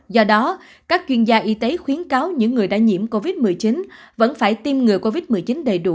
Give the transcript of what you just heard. do đó các chuyên gia y tế khuyến cáo những người đã nhiễm covid một mươi chín vẫn phải tiêm ngừa covid một mươi chín đầy đủ